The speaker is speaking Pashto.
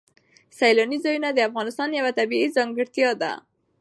سیلانی ځایونه د افغانستان یوه طبیعي ځانګړتیا ده.